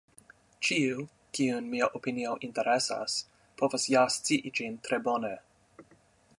Ĉiu, kiun mia opinio interesas, povas ja scii ĝin tre bone.